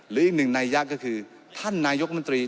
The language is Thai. หรืออีกหนึ่งนัยยะก็คือท่านนายกมนตรี